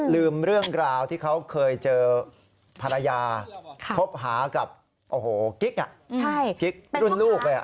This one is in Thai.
ลืมเรื่องราวที่เขาเคยเจอภรรยาคบหากับโอ้โหกิ๊กกิ๊กรุ่นลูกเลย